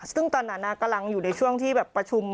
ซึ่งตอนนั้นกำลังอยู่ในช่วงที่แบบประชุม